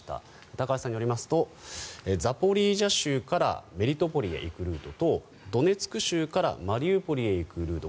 高橋さんによりますとザポリージャ州からメリトポリへ行くルートとドネツク州からマリウポリへ行くルート